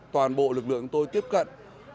toàn bộ lực lượng tôi tiếp cận